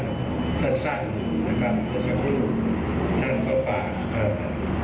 ดนตรศักดิ์สร้างบุตรท่านเขาฝาก